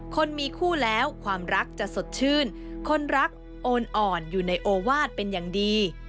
คนมีคู่แล้วความรักจะสดชื่นคนรักโอนอ่อนอยู่ในโอวาสเป็นอย่างดี